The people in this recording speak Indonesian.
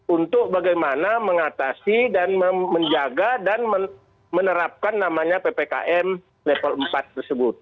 untuk bagaimana mengatasi dan menjaga dan menerapkan namanya ppkm level empat tersebut